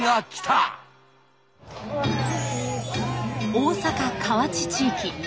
大阪河内地域。